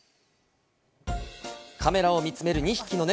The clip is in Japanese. カメラを見つめる２匹の猫。